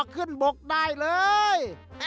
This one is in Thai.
ขึ้นบกได้เลย